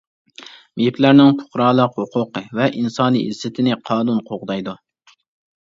مېيىپلەرنىڭ پۇقرالىق ھوقۇقى ۋە ئىنسانىي ئىززىتىنى قانۇن قوغدايدۇ.